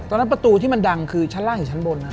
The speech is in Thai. ตอนนั้นประตูที่มันดังคือชั้นล่างหรือชั้นบนนะครับ